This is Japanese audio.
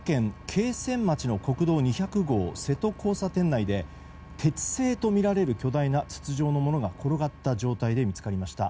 桂川町の国道２００号、瀬戸交差点内で鉄製とみられる巨大な筒状のものが転がった状態で見つかりました。